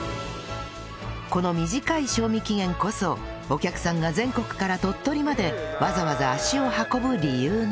この短い賞味期限こそお客さんが全国から鳥取までわざわざ足を運ぶ理由なんです